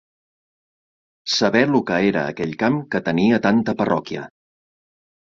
Saber lo que era aquell camp que tenia tanta parroquia.